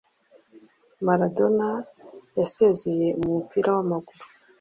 Maradona yasezeye ku mupira w’amaguru